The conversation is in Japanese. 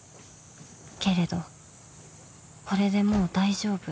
［けれどこれでもう大丈夫。